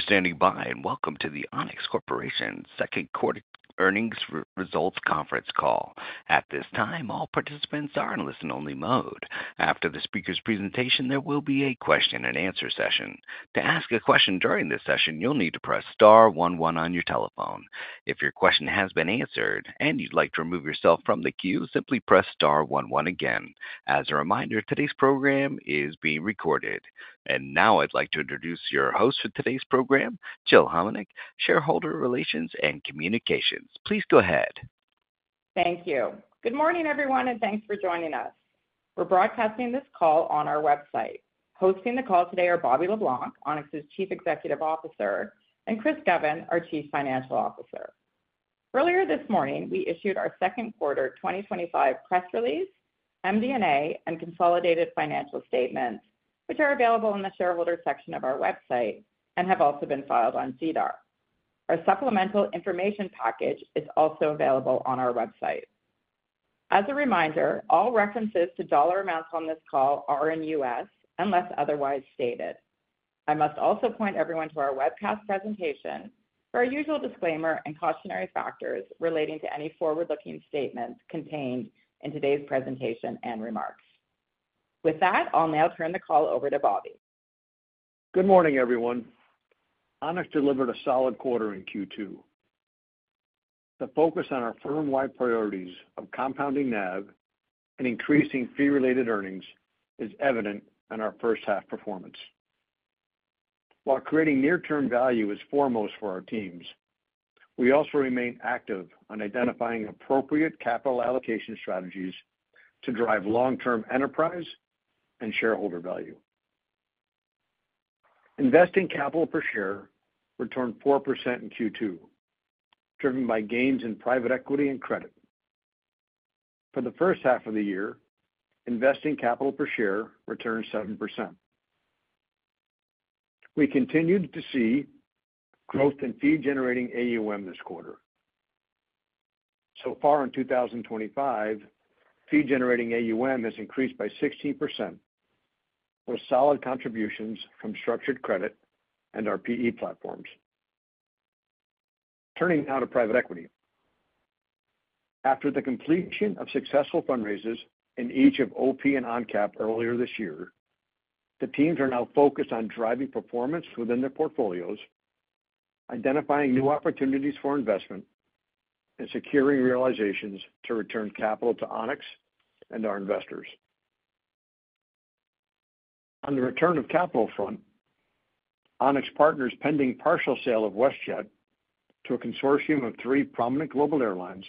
Standing by and welcome to the Onex Corporation's Second Quarter Earnings Results Conference Call. At this time, all participants are in listen-only mode. After the speaker's presentation, there will be a question-and-answer session. To ask a question during this session, you'll need to press star one one on your telephone. If your question has been answered and you'd like to remove yourself from the queue, simply press star one one again. As a reminder, today's program is being recorded. Now I'd like to introduce your host for today's program, Jill Homenuk, Head of Shareholder Relations and Communications. Please go ahead. Thank you. Good morning, everyone, and thanks for joining us. We're broadcasting this call on our website. Hosting the call today are Bobby LeBlanc, Onex's Chief Executive Officer, and Chris Govan, our Chief Financial Officer. Earlier this morning, we issued our Second Quarter 2025 Press Release, MD&A, and Consolidated Financial Statements, which are available in the shareholder section of our website and have also been filed on SEDAR. Our supplemental information package is also available on our website. As a reminder, all references to dollar amounts on this call are in U.S. dollars unless otherwise stated. I must also point everyone to our webcast presentation for our usual disclaimer and cautionary factors relating to any forward-looking statements contained in today's presentation and remarks. With that, I'll now turn the call over to Bobby. Good morning, everyone. Onex delivered a solid quarter in Q2. The focus on our firm-wide priorities of compounding NAV and increasing fee-related earnings is evident in our first-half performance. While creating near-term value is foremost for our teams, we also remain active on identifying appropriate capital allocation strategies to drive long-term enterprise and shareholder value. Investing capital per share returned 4% in Q2, driven by gains in private equity and credit. For the first half of the year, investing capital per share returned 7%. We continued to see growth in fee-generating AUM this quarter. So far, in 2025, fee-generating AUM has increased by 16%, with solid contributions from structured credit and our PE platforms. Turning now to private equity. After the completion of successful fundraisers in each of OP and ONCAP earlier this year, the teams are now focused on driving performance within their portfolios, identifying new opportunities for investment, and securing realizations to return capital to Onex and our investors. On the return of capital front, Onex Partners' pending partial sale of WestJet to a consortium of three prominent global airlines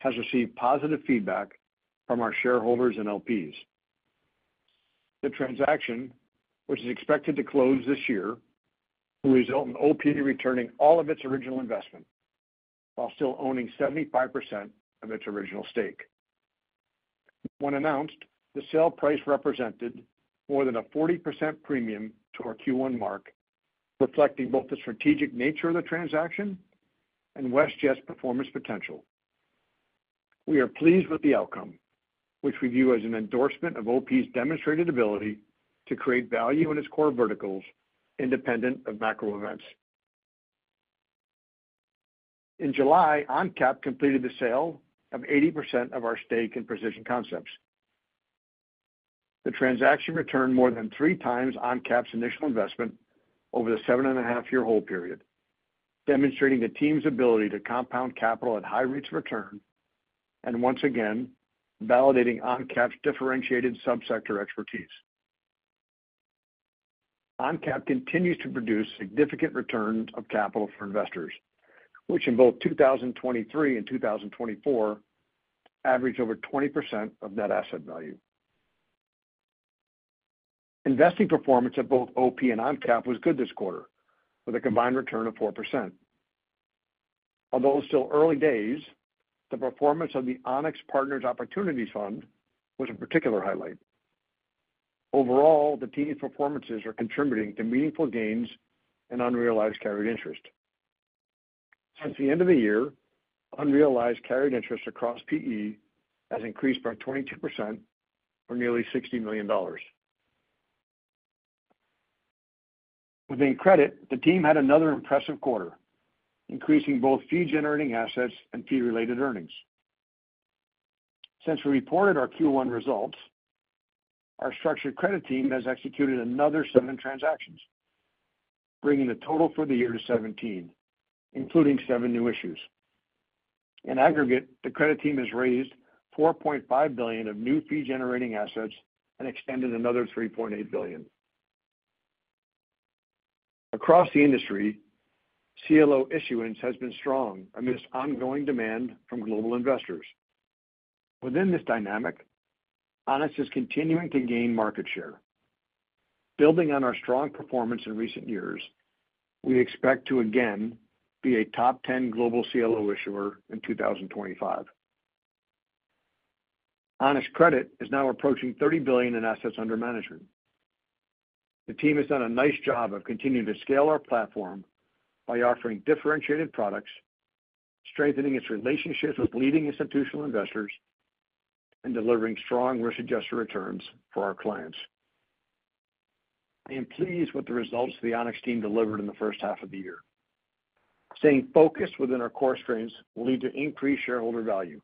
has received positive feedback from our shareholders and LPs. The transaction, which is expected to close this year, will result in OP returning all of its original investment while still owning 75% of its original stake. When announced, the sale price represented more than a 40% premium to our Q1 mark, reflecting both the strategic nature of the transaction and WestJet's performance potential. We are pleased with the outcome, which we view as an endorsement of OP's demonstrated ability to create value in its core verticals, independent of macro events. In July, ONCAP completed the sale of 80% of our stake in Precision Concepts International. The transaction returned more than three times ONCAP's initial investment over the seven-and-a-half-year hold period, demonstrating the team's ability to compound capital at high rates of return and once again validating ONCAP's differentiated subsector expertise. ONCAP continues to produce significant returns of capital for investors, which in both 2023 and 2024 average over 20% of net asset value. Investing performance of both OP and ONCAP was good this quarter, with a combined return of 4%. Although it's still early days, the performance of the Onex Partners Opportunities Fund was a particular highlight. Overall, the team's performances are contributing to meaningful gains and unrealized carried interest. Since the end of the year, unrealized carried interest across PE has increased by 22% or nearly $60 million. Within credit, the team had another impressive quarter, increasing both fee-generating assets and fee-related earnings. Since we reported our Q1 results, our structured credit team has executed another seven transactions, bringing the total for the year to 17, including seven new issues. In aggregate, the credit team has raised $4.5 billion of new fee-generating assets and expanded another $3.8 billion. Across the industry, CLO issuance has been strong amidst ongoing demand from global investors. Within this dynamic, Onex is continuing to gain market share. Building on our strong performance in recent years, we expect to again be a top 10 global CLO issuer in 2025. Onex Credit is now approaching $30 billion in assets under management. The team has done a nice job of continuing to scale our platform by offering differentiated products, strengthening its relationships with leading institutional investors, and delivering strong risk-adjusted returns for our clients. I am pleased with the results the Onex team delivered in the first half of the year. Staying focused within our core strengths will lead to increased shareholder value.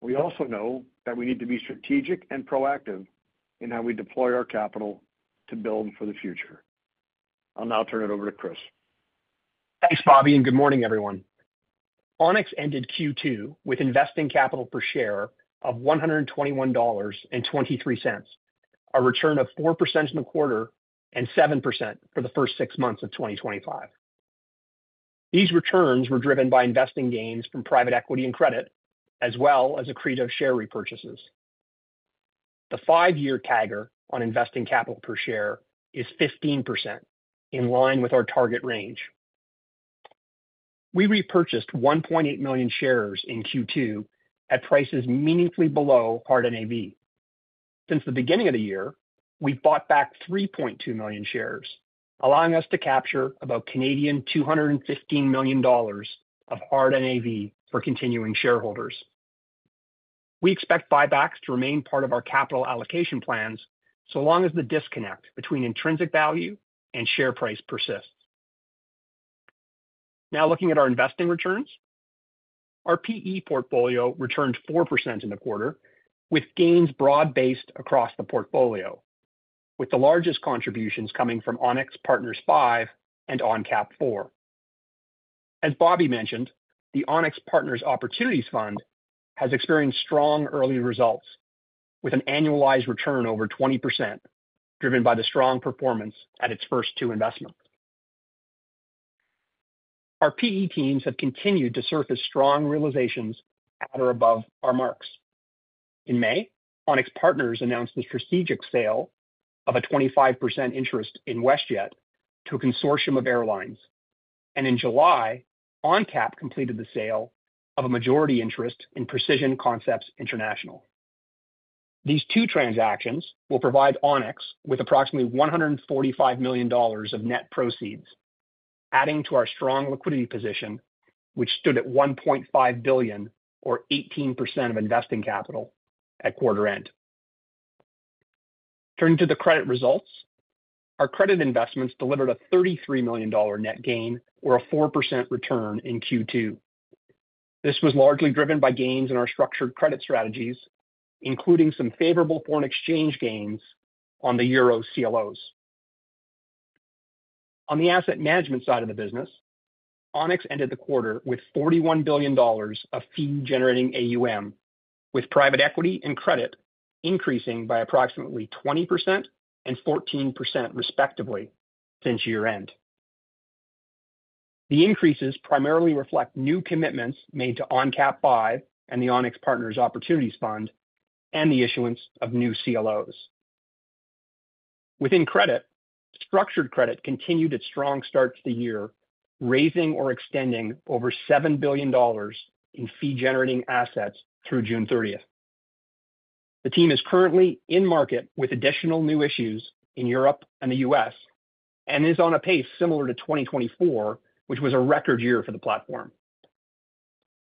We also know that we need to be strategic and proactive in how we deploy our capital to build for the future. I'll now turn it over to Chris. Thanks, Bobby, and good morning, everyone. Onex ended Q2 with investing capital per share of $121.23, a return of 4% in the quarter and 7% for the first six months of 2025. These returns were driven by investing gains from private equity and credit, as well as accretion of share repurchases. The five-year CAGR on investing capital per share is 15%, in line with our target range. We repurchased 1.8 million shares in Q2 at prices meaningfully below hard NAV. Since the beginning of the year, we've bought back 3.2 million shares, allowing us to capture about 215 million Canadian dollars of hard NAV for continuing shareholders. We expect buybacks to remain part of our capital allocation plans so long as the disconnect between intrinsic value and share price persists. Now, looking at our investing returns, our PE portfolio returned 4% in the quarter, with gains broad-based across the portfolio, with the largest contributions coming from Onex Partners V and ONCAP IV. As Bobby mentioned, the Onex Partners Opportunities Fund has experienced strong early results, with an annualized return over 20%, driven by the strong performance at its first two investments. Our PE teams have continued to surface strong realizations at or above our marks. In May, Onex Partners announced the strategic sale of a 25% interest in WestJet to a consortium of airlines, and in July, ONCAP completed the sale of a majority interest in Precision Concepts International. These two transactions will provide Onex with approximately $145 million of net proceeds, adding to our strong liquidity position, which stood at $1.5 billion, or 18% of investing capital at quarter end. Turning to the credit results, our credit investments delivered a $33 million net gain, or a 4% return in Q2. This was largely driven by gains in our structured credit strategies, including some favorable foreign exchange gains on the Euro CLOs. On the asset management side of the business, Onex ended the quarter with $41 billion of fee-generating AUM, with private equity and credit increasing by approximately 20% and 14% respectively since year end. The increases primarily reflect new commitments made to ONCAP V and the Onex Partners Opportunities Fund and the issuance of new CLOs. Within credit, structured credit continued its strong start to the year, raising or extending over $7 billion in fee-generating assets through June 30. The team is currently in market with additional new issues in Europe and the U.S., and is on a pace similar to 2024, which was a record year for the platform.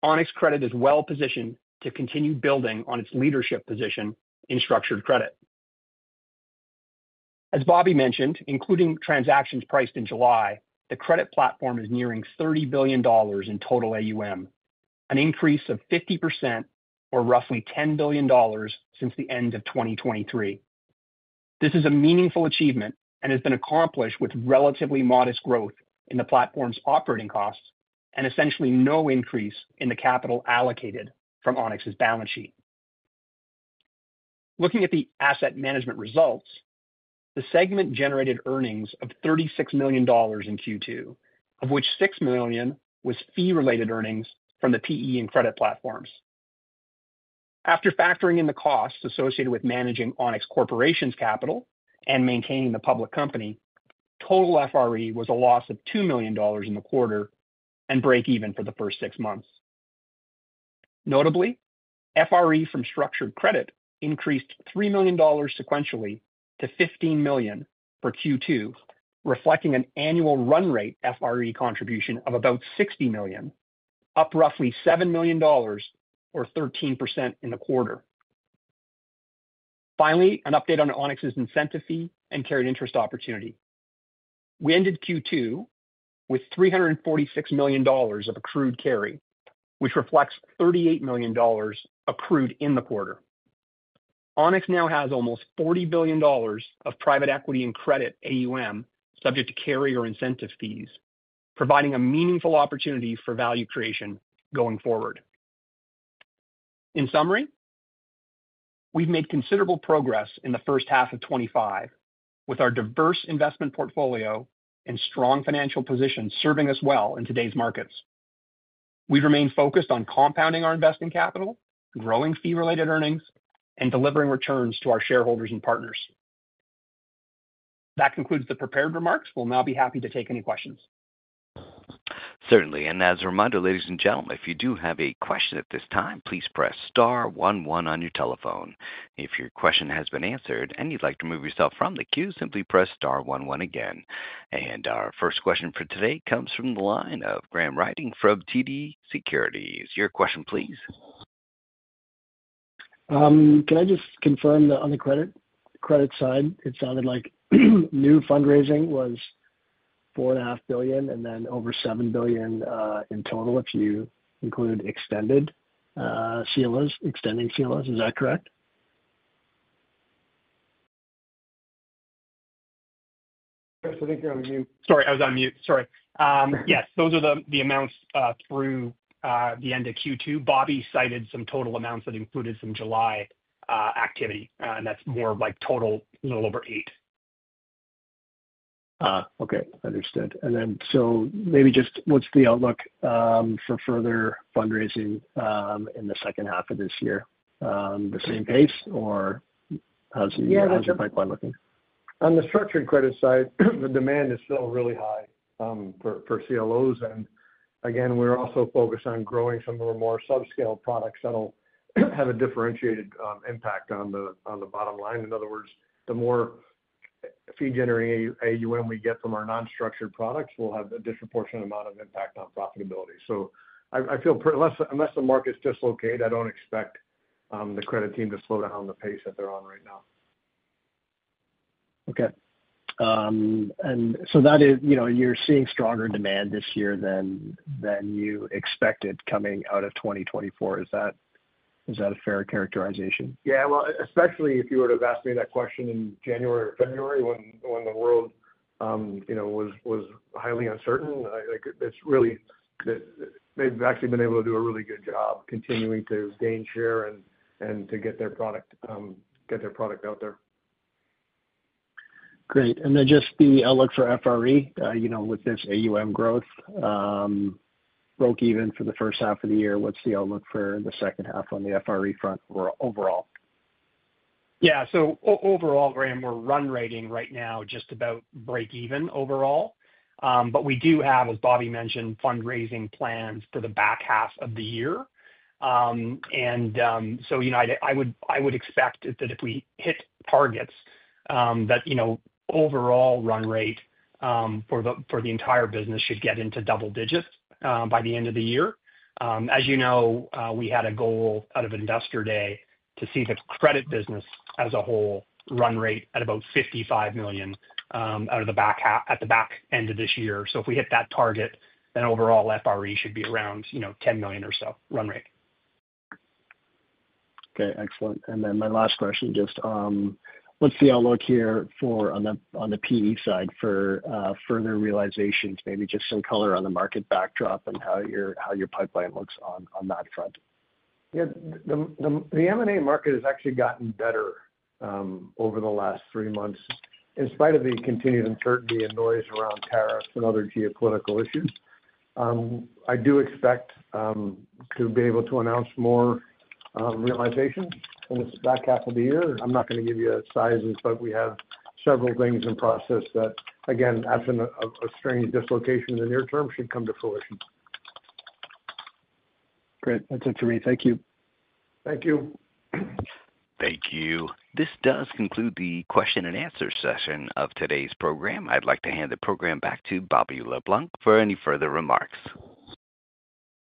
Onex Credit is well positioned to continue building on its leadership position in structured credit. As Bobby mentioned, including transactions priced in July, the credit platform is nearing $30 billion in total AUM, an increase of 50%, or roughly $10 billion since the end of 2023. This is a meaningful achievement and has been accomplished with relatively modest growth in the platform's operating costs and essentially no increase in the capital allocated from Onex's balance sheet. Looking at the asset management results, the segment generated earnings of $36 million in Q2, of which $6 million was fee-related earnings from the PE and credit platforms. After factoring in the costs associated with managing Onex Corporation's capital and maintaining the public company, total FRE was a loss of $2 million in the quarter and break-even for the first six months. Notably, FRE from structured credit increased $3 million sequentially to $15 million for Q2, reflecting an annual run rate FRE contribution of about $60 million, up roughly $7 million, or 13% in the quarter. Finally, an update on Onex's incentive fee and carried interest opportunity. We ended Q2 with $346 million of accrued carry, which reflects $38 million accrued in the quarter. Onex now has almost $40 billion of private equity and credit AUM subject to carry or incentive fees, providing a meaningful opportunity for value creation going forward. In summary, we've made considerable progress in the first half of 2025, with our diverse investment portfolio and strong financial positions serving us well in today's markets. We remain focused on compounding our investing capital, growing fee-related earnings, and delivering returns to our shareholders and partners. That concludes the prepared remarks. We'll now be happy to take any questions. Certainly. As a reminder, ladies and gentlemen, if you do have a question at this time, please press star one one on your telephone. If your question has been answered and you'd like to remove yourself from the queue, simply press star one one again. Our first question for today comes from the line of Graham Ryding from TD Securities. Your question, please. Can I just confirm that on the credit side it sounded like new fundraising was $4.5 billion, and then over $7 billion in total if you include extending CLOs? Is that correct? Sorry, I was on mute. Yes, those are the amounts through the end of Q2. Bobby cited some total amounts that included some July activity, and that's more of like total, a little over $8. Okay, understood. What is the outlook for further fundraising in the second half of this year? Is it the same pace, or how is the pipeline looking? Yeah, that's right. On the structured credit side, the demand is still really high for CLOs. We're also focused on growing some of the more subscale products that'll have a differentiated impact on the bottom line. In other words, the more fee-generating AUM we get from our non-structured products will have a disproportionate amount of impact on profitability. I feel unless the market's dislocated, I don't expect the credit team to slow down the pace that they're on right now. Okay, you are seeing stronger demand this year than you expected coming out of 2024. Is that a fair characterization? Yeah, especially if you would have asked me that question in January or February when the world was highly uncertain. They've actually been able to do a really good job continuing to gain share and to get their product out there. Great. The outlook for FRE, you know, with this AUM growth, broke even for the first half of the year. What's the outlook for the second half on the FRE front overall? Yeah, so overall, Graham, we're run rating right now just about break-even overall. We do have, as Bobby mentioned, fundraising plans for the back half of the year. I would expect that if we hit targets, that overall run rate for the entire business should get into double digits by the end of the year. As you know, we had a goal out of Investor Day to see the credit business as a whole run rate at about $55 million at the back end of this year. If we hit that target, then overall FRE should be around $10 million or so run rate. Okay, excellent. My last question, just what's the outlook here for on the PE side for further realizations, maybe just some color on the market backdrop and how your pipeline looks on that front? Yeah, the M&A market has actually gotten better over the last three months in spite of the continued uncertainty and noise around tariffs and other geopolitical issues. I do expect to be able to announce more realizations in the back half of the year. I'm not going to give you sizes, but we have several things in process that, again, after a strange dislocation in the near term, should come to fruition. Great. That's it for me. Thank you. Thank you. Thank you. This does conclude the question-and-answer session of today's program. I'd like to hand the program back to Bobby LeBlanc for any further remarks.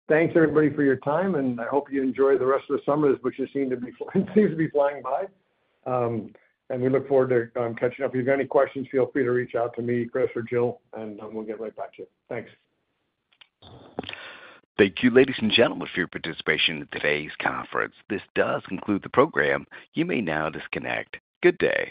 Thanks, everybody, for your time. I hope you enjoy the rest of the summer, which seems to be flying by. We look forward to catching up. If you've got any questions, feel free to reach out to me, Chris, or Jill, and we'll get right back to you. Thanks. Thank you, ladies and gentlemen, for your participation in today's conference. This does conclude the program. You may now disconnect. Good day.